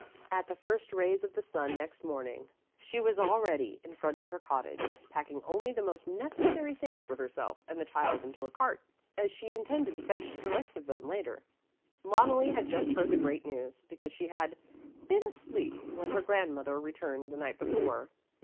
At the first rays of the sun next morning she was already in front of her cottage, packing only the most necessary things for herself and the child into a cart, as she intended to fetch the rest of them later. Loneli had just heard the great news, because she had been asleep when her grandmother returned the night before.